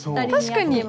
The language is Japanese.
確かに。